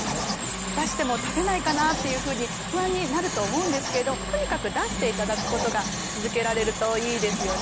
出しても食べないかなっていうふうに不安になると思うんですけどとにかく出して頂くことが続けられるといいですよね。